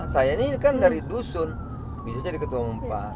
saya ini kan dari dusun bisa jadi ketua umpan